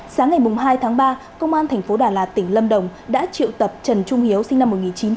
sáng ngày hai tháng ba công an tp đà lạt tỉnh lâm đồng đã triệu tập trần trung hiếu sinh năm một nghìn chín trăm chín mươi chín